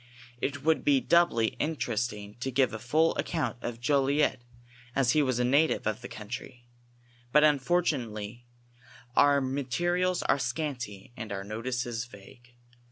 It would be doubly interesting to give a full account of Jolliet, as he was a native of tlie country, but un fortunately our niaterials are scanty and our notices vague.